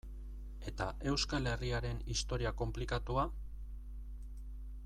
Eta Euskal Herriaren historia konplikatua?